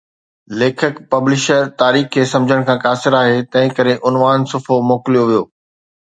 ليکڪ، پبلشر، تاريخ کي سمجھڻ کان قاصر آھي تنھنڪري عنوان صفحو موڪليو ويو